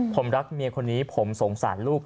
ผมรักเมียคนนี้ผมสงสารลูก